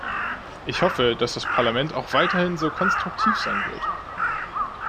Ich hoffe, dass das Parlament auch weiterhin so konstruktiv sein wird.